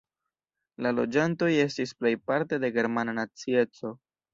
La loĝantoj estis plejparte de germana nacieco.